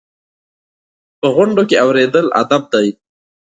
په غونډو کې اورېدل ادب دی.